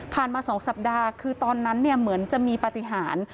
มา๒สัปดาห์คือตอนนั้นเหมือนจะมีปฏิหาร